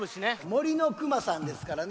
「森のくまさん」ですからね。